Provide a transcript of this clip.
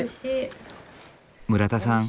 村田さん